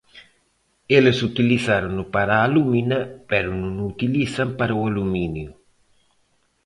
Eles utilizárono para a alúmina pero non o utilizan para o aluminio.